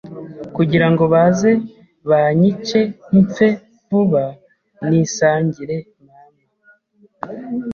kugirango baze banyice mpfe vuba nisangire mama